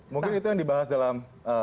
mungkin itu yang dibahas dalam